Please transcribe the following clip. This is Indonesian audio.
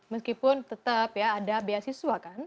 meskipun tetap ya ada beasiswa kan